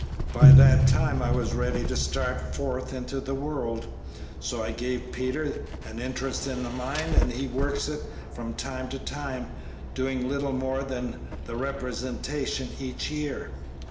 By that time I was ready to start forth into the world, so I gave Peter an interest in the mine, and he works it from time to time, doing little more than the representation each year."